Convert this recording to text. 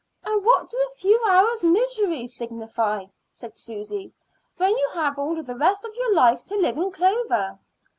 "And what do a few hours' misery signify," said Susy, "when you have all the rest of your life to live in clover?"